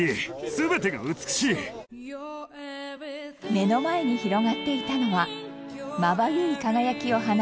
目の前に広がっていたのはまばゆい輝きを放つ絶景。